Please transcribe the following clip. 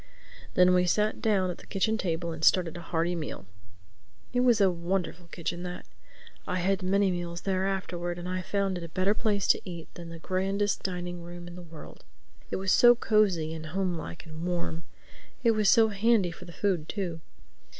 Then we sat down at the kitchen table and started a hearty meal. It was a wonderful kitchen, that. I had many meals there afterwards and I found it a better place to eat in than the grandest dining room in the world. It was so cozy and home like and warm. It was so handy for the food too.